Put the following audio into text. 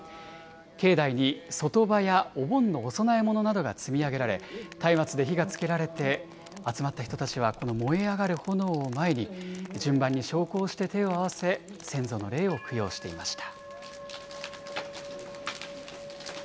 境内にそとばやお盆のお供え物などが積み上げられ、たいまつに火がつけられて、集まった人たちはこの燃え上がる炎を前に、順番に焼香して手を合わせ、先祖の霊を供養していました。